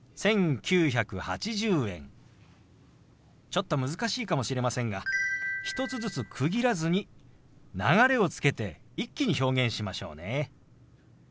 ちょっと難しいかもしれませんが１つずつ区切らずに流れをつけて一気に表現しましょうね。